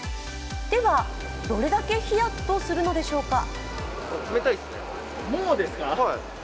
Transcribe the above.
ではどれだけひやっとするのでしょうか？